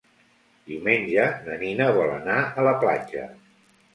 Diumenge na Nina vol anar a la platja.